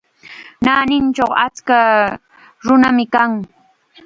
Naanichaw achka nunam kan.